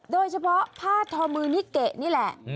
โดยเฉพาะผ้าทอมือนิเกะนี่แหละ